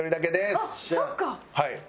はい。